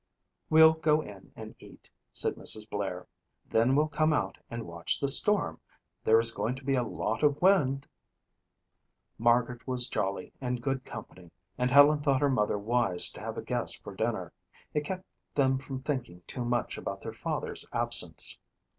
"We'll go in and eat," said Mrs. Blair. "Then we'll come out and watch the storm. There is going to be a lot of wind." Margaret was jolly and good company and Helen thought her mother wise to have a guest for dinner. It kept them from thinking too much about their father's absence.